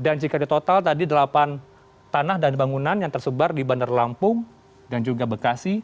dan jika di total tadi delapan tanah dan bangunan yang tersebar di bandar lampung dan juga bekasi